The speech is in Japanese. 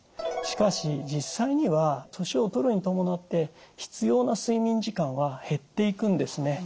しかし実際には年を取るに伴って必要な睡眠時間は減っていくんですね。